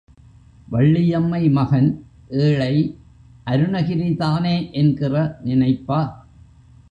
வள்ளியம்மை மகன் ஏழை அருணகிரிதானே என்கிற நினைப்பா!